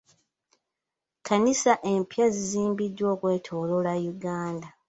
Kkanisa empya zizimbiddwa okwetooloola Uganda.